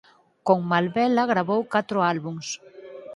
Con Malvela gravou catro álbums.